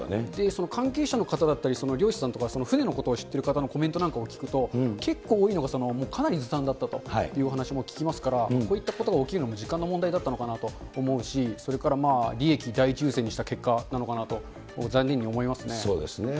関係者の方だったり、漁師さんとか、船のことを知ってる方のコメントなんかを聞くと、結構、多いのがかなりずさんだったというお話も聞きますから、そういったことが起きるのは時間の問題になったのかなと思うし、それから利益第一優先にした結果なのかなと、残念に思いますね。